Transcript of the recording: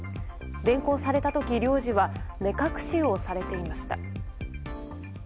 連行された時領事は目隠しをされていました。